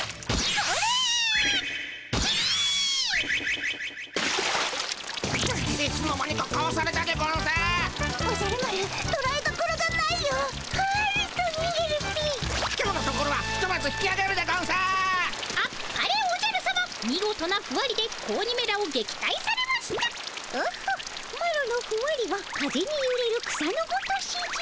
オホッマロのふわりは風にゆれる草のごとしじゃ。